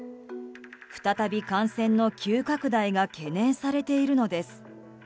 再び感染の急拡大が懸念されているのです。